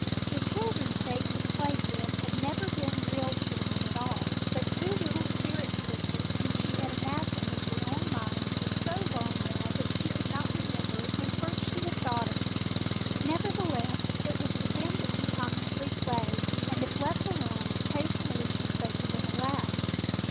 The children Faith had played with had never been real children at all, but two little spirit sisters whom she had imaged in her own mind for so long now that she could not remember when first she had thought of them. Nevertheless, it was with them that she constantly played and, if left alone, occasionally she spoke to them aloud.